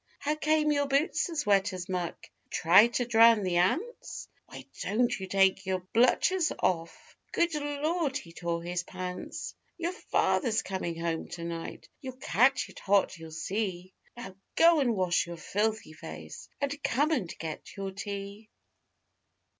How came your boots as wet as muck? You tried to drown the ants! Why don't you take your bluchers off, Good Lord, he's tore his pants! Your father's coming home to night; You'll catch it hot, you'll see. Now go and wash your filthy face And come and get your tea.